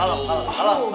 alam alam alam